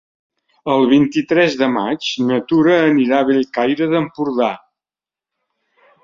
El vint-i-tres de maig na Tura anirà a Bellcaire d'Empordà.